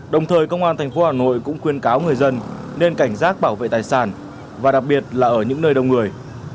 đồng thời công an tp hà nội cũng khuyên cáo người dân nên cảnh giác bảo vệ tài sản và đặc biệt là ở những nơi đông người